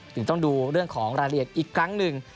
ถึงต้องดูเรื่องของรายละเอียดอีกครั้งหนึ่ง